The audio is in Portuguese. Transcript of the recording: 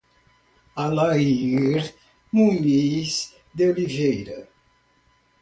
Alair Muniz de Oliveira